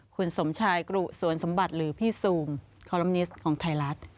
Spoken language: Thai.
คุณสมชายกรุสวนสมบัติหรือพี่ซูมคอลัมนิสต์ของไทยรัฐ